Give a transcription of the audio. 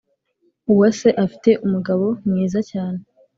Uwase afite umugabo mwiza cyane